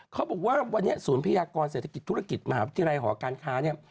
เขาบอกว่าวันนี้ศูนย์พยากรเศรษฐกิจธุรกิจมหาวิทยาลัยหอการค้าเนี่ย